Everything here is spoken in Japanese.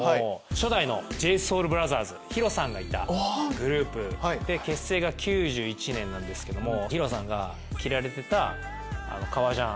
初代のＪＳＯＵＬＢＲＯＴＨＥＲＳＨＩＲＯさんがいたグループで結成が９１年なんですけどもＨＩＲＯさんが着られてた革ジャン。